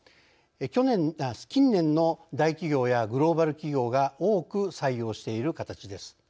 近年の大企業やグローバル企業が多く採用している形です。